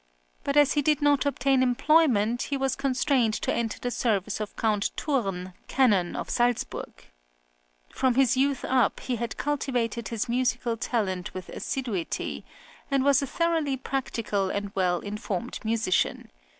But as he did not obtain employment, he was constrained to enter the service of Count Thurn, Canon of Salzburg. From his youth up, he had cultivated his musical talent with assiduity, and was a {CHILDHOOD.} (8) thoroughly practical and well informed musician.